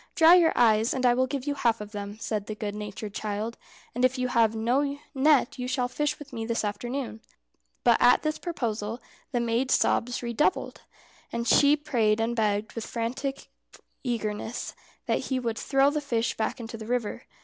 "Dry your eyes, and I will give you half of them," said the good natured child; "and if you have no net you shall fish with me this afternoon." But at this proposal the maid's sobs redoubled, and she prayed and begged with frantic eagerness that he would throw the fish back into the river.